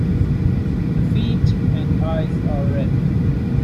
The feet and eyes are red.